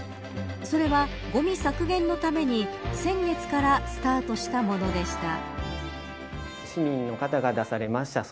それはごみ削減のために先月からスタートしたものでした。